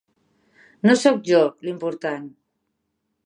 No sóc jo, l'important.